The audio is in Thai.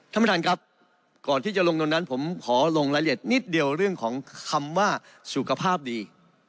ท่านประธานครับก่อนที่จะลงตรงนั้นผมขอลงรายละเอียดนิดเดียวเรื่องของคำว่าสุขภาพดี